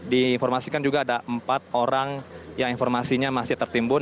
diinformasikan juga ada empat orang yang informasinya masih tertimbun